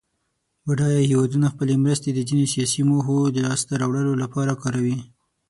بډایه هېوادونه خپلې مرستې د ځینو سیاسي موخو د لاس ته راوړلو لپاره کاروي.